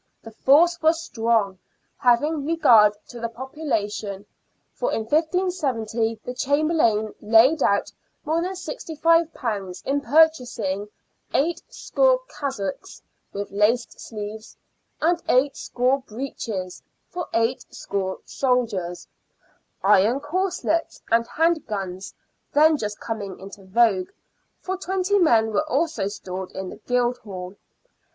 The force was strong, having regard to the population, for in 1570 the Chamberlain laid out more than £65 in pur chasing " 8 score cassocks (with laced sleeves), and 8 score breeches, for 8 score soldiers." Iron corslets and hand guns — then just coming into vogue — for twenty men were also stored in the Guildhall.